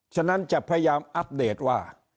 ฉะนั้นจะพยายามอัปเดตว่า